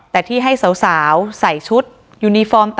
แต่ที่ให้สาวใส่ชุดยูนิฟอร์ม